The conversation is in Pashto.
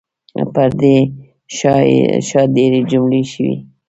پر دې ښار ډېرې حملې شوي.